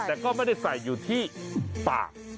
แต่ก็ไม่ได้ใส่อยู่ที่ปาก